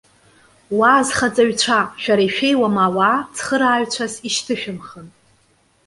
Уа азхаҵаҩцәа! Шәара ишәеиуам ауаа цхырааҩцәас ишьҭышәымхын.